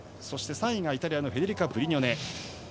そして３位がイタリアのフェデリカ・ブリニョネ。